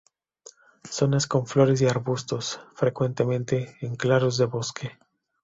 Zonas con flores y arbustos, frecuentemente en claros de bosque.